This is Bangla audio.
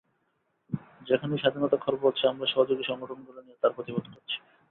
যেখানেই স্বাধীনতা খর্ব হচ্ছে, আমরা সহযোগী সংগঠনগুলোকে নিয়ে তার প্রতিবাদ করছি।